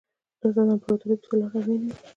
دا ځل یې امپراتور پسې لاړل او ونیو یې.